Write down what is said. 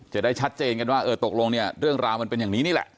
จะได้ชัดเจนกันว่าเออตกลงเนี่ยเรื่องราวมันเป็นอย่างนี้นี่แหละ